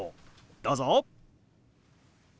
どうぞ。